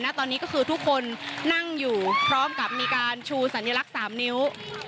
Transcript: ตอนนี้ก็คือทุกคนนั่งอยู่พร้อมกับมีการชูสัญลักษณ์๓นิ้ว